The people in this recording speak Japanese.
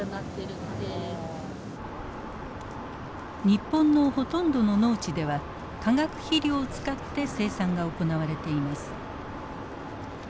日本のほとんどの農地では化学肥料を使って生産が行われています。